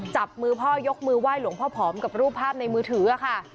จับมือพ่อยกมือไหว้หลวงพ่อผอมกับรูปภาพในมือถือค่ะ